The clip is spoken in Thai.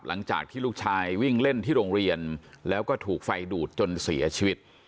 หลังจากที่ลูกชายวิ่งเล่นที่โรงเรียนแล้วก็ถูกไฟดูดจนเสียชีวิต